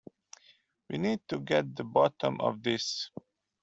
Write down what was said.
We need to get the bottom of this